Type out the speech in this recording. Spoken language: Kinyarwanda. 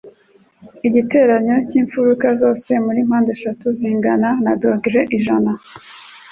Igiteranyo cyimfuruka zose muri mpandeshatu zingana na dogere ijana